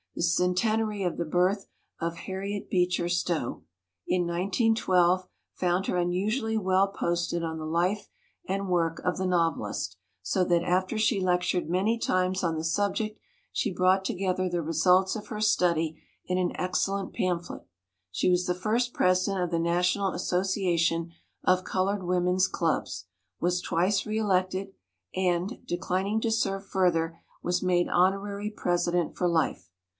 The cen tenary of the birth of Harriet Beecher Stowe in 1912 found her unusually well posted on the life and work of the novelist, so that after she lectured many times on the subject she brought together the results of her study in an excellent pamphlet. She was the first president of the National As sociation of Colored Women's Clubs, was twice re elected, and, declining to serve fur ther, was made honorary president for life.